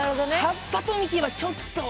葉っぱと幹はちょっと。